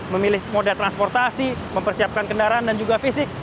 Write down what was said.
memilih moda transportasi mempersiapkan kendaraan dan juga fisik